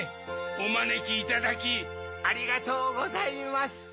おまねきいただきありがとうございます。